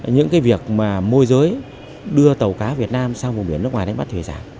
những việc mà môi giới đưa tàu cá việt nam sang vùng biển nước ngoài đánh bắt thủy sản